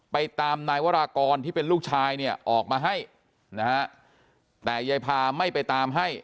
ไปตามนายวรากรที่เป็นลูกชายเนี่ยออกมาให้นะฮะแต่ยายพาไม่ไปตามให้